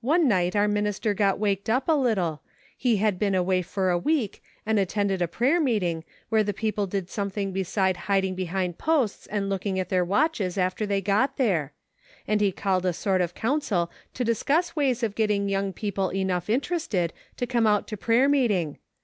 One night our minister got waked up a little ; he had been away for a week and attended a prayer meeting, where the people did something beside hiding behind posts and looking at their watches after they got there ; and he called a sort of council to discuss ways of getting young people enough interested to come out to prayer meeting.